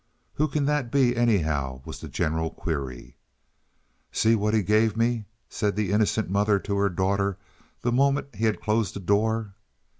"Who can that be, anyhow?" was the general query. "See what he gave me," said the innocent mother to her daughter the moment he had closed the door.